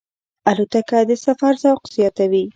الوتکه د سفر ذوق زیاتوي.